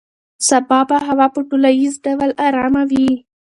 سبا به هوا په ټولیز ډول ډېره ارامه وي.